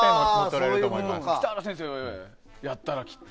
北原先生やったら、きっと。